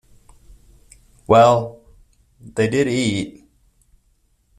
Well, did they eat.